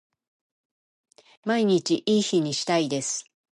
毎日いい日にしたいです